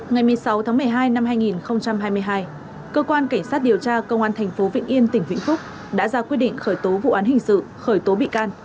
ngày một mươi sáu tháng một mươi hai năm hai nghìn hai mươi hai cơ quan cảnh sát điều tra công an thành phố vĩnh yên tỉnh vĩnh phúc đã ra quyết định khởi tố vụ án hình sự khởi tố bị can